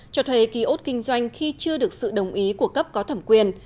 cho thuê ký ốt kinh doanh khi chưa được sự đồng ý của cấp có thẩm quyền